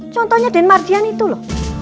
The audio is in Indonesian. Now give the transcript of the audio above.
contohnya denmar dian itu loh